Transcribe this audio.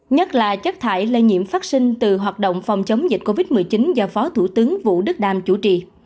nhất là chất thải lây nhiễm phát sinh từ hoạt động phòng chống dịch covid một mươi chín do phó thủ tướng vũ đức đam chủ trì